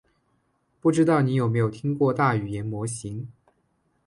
不知道你有没有听过大语言模型？